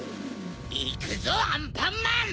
いくぞアンパンマン！